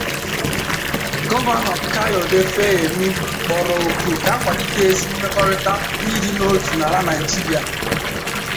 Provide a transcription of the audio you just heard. Gọvanọ Kayode Fayemi kpọrọ òkù ka a kwalitekwuo ezi mmekọrịta na ịdịnotu n'ala Nigeria